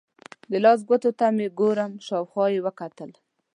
د لاس ګوتو ته یې ګورم، شاوخوا یې وکتل.